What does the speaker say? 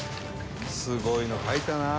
「すごいの描いたなあ」